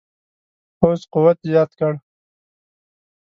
پوځ قوت زیات کړ.